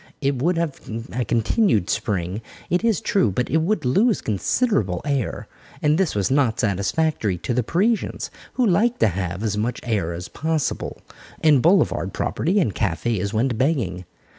It would have a continued Spring, it is true, but it would lose considerable air. And this was not satisfactory to the Parisians, who like to have as much air as possible, and boulevard property and cafés went begging.